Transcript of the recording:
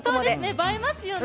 映えますよね。